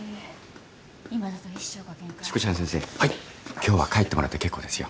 今日は帰ってもらって結構ですよ。